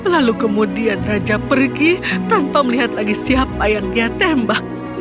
lalu kemudian raja pergi tanpa melihat lagi siapa yang dia tembak